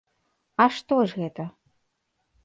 А што ж гэта?